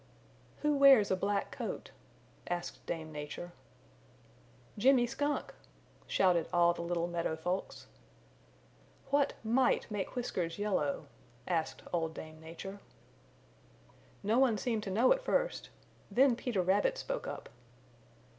"Who wears a black coat?" asked Dame Nature. "Jimmy Skunk!" shouted all the little meadow folks. "What MIGHT make whiskers yellow?" asked Old Dame Nature. No one seemed to know at first. Then Peter Rabbit spoke up.